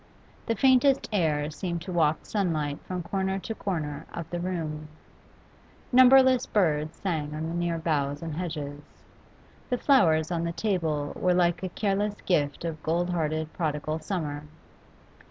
The faintest air seemed to waft sunlight from corner to corner of the room; numberless birds sang on the near boughs and hedges; the flowers on the table were like a careless gift of gold hearted prodigal summer.